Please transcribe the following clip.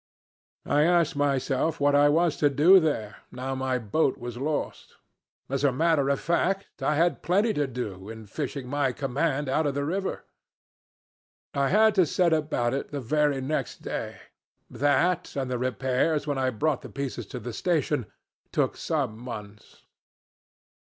I asked myself what I was to do there, now my boat was lost. As a matter of fact, I had plenty to do in fishing my command out of the river. I had to set about it the very next day. That, and the repairs when I brought the pieces to the station, took some months.